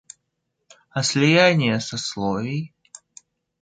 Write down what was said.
А слияние сословий?